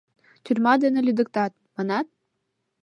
Тюрьма дене лӱдыктат, манат?